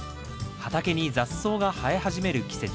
畑に雑草が生え始める季節。